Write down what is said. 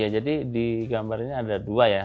jadi di gambarnya ada dua ya